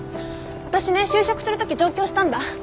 私ね就職するとき上京したんだ。